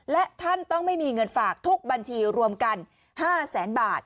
และท่านต้องไม่มีเงินฝากทุกบัญชีรวมกัน๕แสนบาท